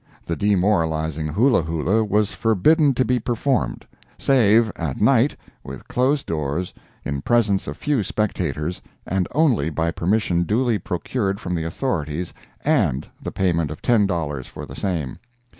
The demoralizing hula hula was forbidden to be performed, save at night, with closed doors, in presence of few spectators, and only by permission duly procured from the authorities and the payment of ten dollars for the same.